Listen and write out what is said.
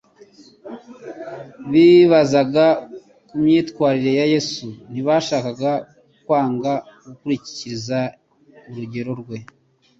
Bibazaga ku myitwarire ya Yesu. Ntibabashaga kwanga gukurikiza urugero rwe